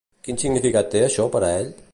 Quin significat té això per a ell?